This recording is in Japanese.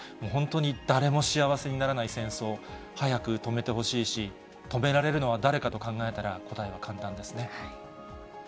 本当に誰も幸せにならない戦争、早く止めてほしいし、止められるのは誰かと考えたら、答えは簡単ですね。